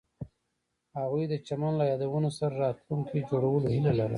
هغوی د چمن له یادونو سره راتلونکی جوړولو هیله لرله.